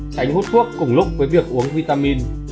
tránh hút thuốc cùng lúc với việc uống vitamin